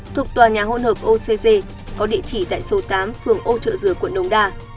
thuộc tòa nhà hôn hợp ocg có địa chỉ tại số tám phường ô trợ dừa quận đông đa